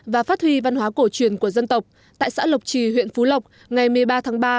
và phát huy văn hóa cổ truyền của dân tộc tại xã lộc trì huyện phú lộc ngày một mươi ba tháng ba